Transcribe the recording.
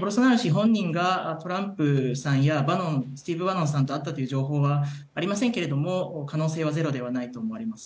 ボルソナロ氏本人がトランプさんやスティーブ・バノンさんと会ったという情報はありませんが可能性はゼロではないと思います。